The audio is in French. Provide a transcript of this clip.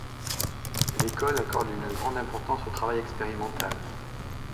L'école accorde une grande importance au travail expérimental.